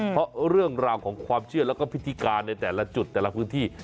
เพราะเรื่องราวของความเชื่อแล้วก็พิธีการในแต่ละจุดแต่ละพื้นที่